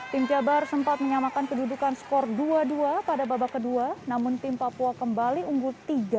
tim jabar sempat menyamakan kedudukan skor dua dua pada babak kedua namun tim papua kembali unggul tiga